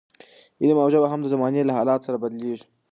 علم او ژبه هم د زمانې له حالاتو سره بدلېږي.